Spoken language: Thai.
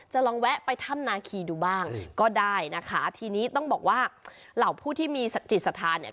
ลองแวะไปถ้ำนาคีดูบ้างก็ได้นะคะทีนี้ต้องบอกว่าเหล่าผู้ที่มีจิตศรัทธาเนี่ย